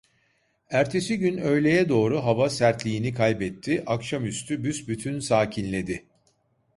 Ertesi gün öğleye doğru hava sertliğini kaybetti, akşamüstü büsbütün sakinledi.